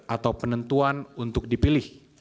atau penentuan untuk dipilih